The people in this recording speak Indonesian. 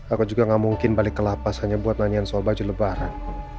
aku juga gak mungkin balik ke lapas hanya buat nanyain soal baju lebaran